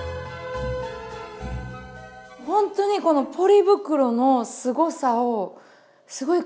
ほんとにこのポリ袋のすごさをすごい感じました。